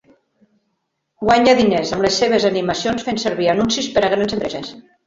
Guanya diners amb les seves animacions fent servir anuncis per a grans empreses.